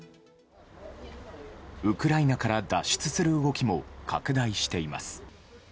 ウクライナから脱出する動きも拡大しています。